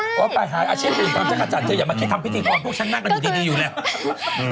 อาชีพเป็นกำจักรจันทร์จะอยากมาทำพิธีกรพวกช่างหน้ากันอยู่ที่นี่อยู่เนี่ย